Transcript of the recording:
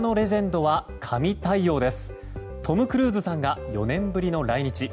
トム・クルーズさんが４年ぶりの来日。